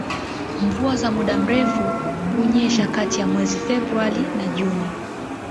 Mvua za muda mrefu hunyesha kati ya mwezi Februari na Juni